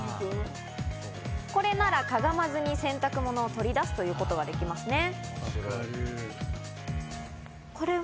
これならかがまずに洗濯物を取り出すということができますね。